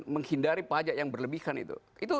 menghindari pajak yang berlebihkan itu